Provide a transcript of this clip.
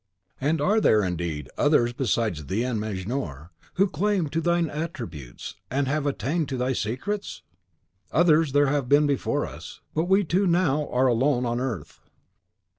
"And are there, indeed, others, besides thee and Mejnour, who lay claim to thine attributes, and have attained to thy secrets?" "Others there have been before us, but we two now are alone on earth."